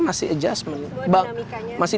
masih adjustment masih